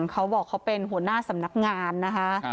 เขาบอกเขาเป็นหัวหน้าสำนักงานนะคะ